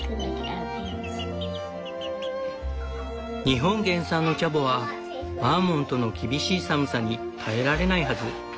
「日本原産のチャボはバーモントの厳しい寒さに耐えられないはず」。